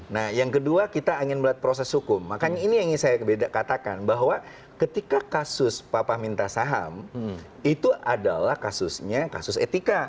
nah yang kedua kita ingin melihat proses hukum makanya ini yang ingin saya katakan bahwa ketika kasus papa minta saham itu adalah kasusnya kasus etika